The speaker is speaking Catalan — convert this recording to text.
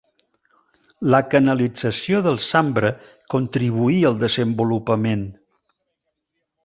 La canalització del Sambre contribuí al desenvolupament.